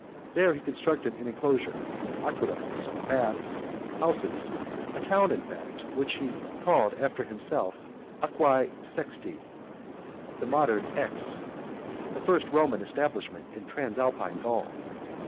There he constructed an enclosure, aqueducts, baths, houses, a town in fact, which he called after himself, Aquae Sextice, the modern Aix, the first Roman establishment in Transalpine Gaul.